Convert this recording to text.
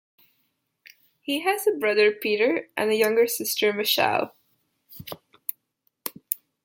He has a brother Peter and a younger sister Michele.